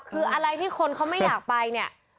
คืออะไรที่คนเขาไม่อยากไปเนี่ย